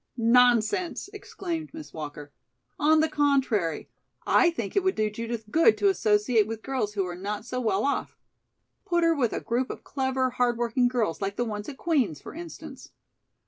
"Nonsense!" exclaimed Miss Walker. "On the contrary, I think it would do Judith good to associate with girls who are not so well off. Put her with a group of clever, hard working girls like the ones at Queen's, for instance."